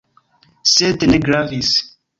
Sed ne gravis!